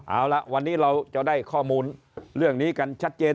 เอาละวันนี้เราจะได้ข้อมูลเรื่องนี้กันชัดเจน